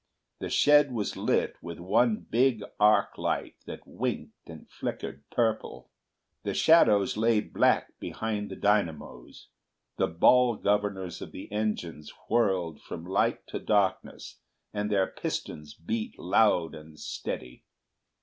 The shed was lit with one big arc light that winked and flickered purple. The shadows lay black behind the dynamos, the ball governors of the engines whirled from light to darkness, and their pistons beat loud and steady.